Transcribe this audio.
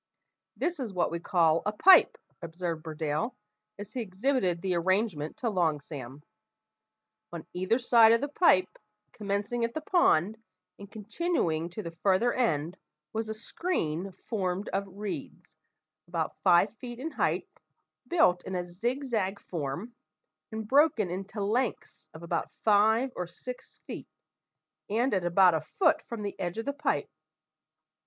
"This is what we call a pipe," observed Burdale, as he exhibited the arrangement to Long Sam. On either side of the pipe, commencing at the pond, and continuing to the farther end, was a screen formed of reeds, about five feet in height, built in a zig zag form, and broken into lengths of about five or six feet, and at about a foot from the edge of the pipe.